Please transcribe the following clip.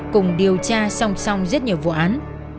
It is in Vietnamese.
cùng điều tra song song rất nhiều vụ án